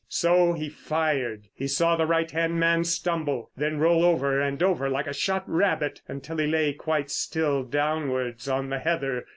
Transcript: So he fired. He saw the right hand man stumble, then roll over and over like a shot rabbit until he lay quite still face downwards on the heather.